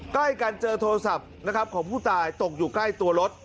ใกล้กันเจอโทรศัพท์นะครับของผู้ตายตกอยู่ใกล้ตัวรถ